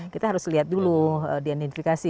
kita harus lihat dulu di identifikasi